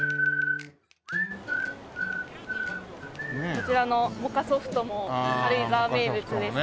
こちらのモカソフトも軽井沢名物ですね。